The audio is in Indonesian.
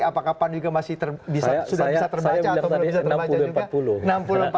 apakah pan juga masih sudah bisa terbaca atau belum bisa terbaca juga